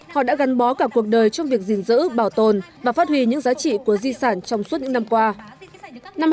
họ đã gắn bó cả cuộc đời trong việc gìn giữ bảo tồn và phát huy những giá trị của di sản trong suốt những năm qua